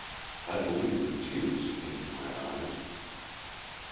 I believe the tears came to my eyes.